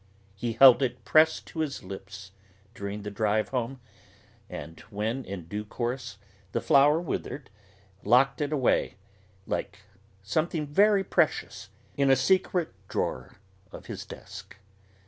He held it pressed to his lips during the drive home, and when, in due course, the flower withered, locked it away, like something very precious, in a secret drawer of his desk.